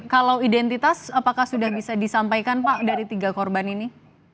kalau identitas apakah sudah bisa disampaikan pak dari tiga korban ini